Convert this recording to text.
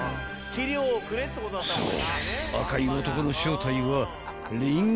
［そう］